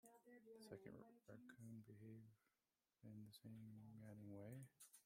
The second Rockoon behaved in the same maddening way.